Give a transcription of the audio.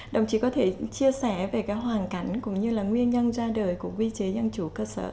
đồng chí có thể chia sẻ về cái hoàn cảnh cũng như là nguyên nhân ra đời của quy chế dân chủ cơ sở